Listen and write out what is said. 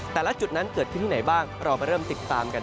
แต่ละจุดนั้นเกิดที่ไหนบ้างเดี๋ยวเราเริ่มไปติดตามค่ะ